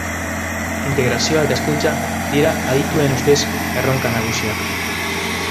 Integrazioa eta hezkuntza dira adituen ustez, erronka nagusiak.